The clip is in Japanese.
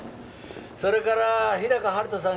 それから日高陽斗さん